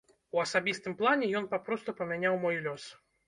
У асабістым плане ён папросту памяняў мой лёс.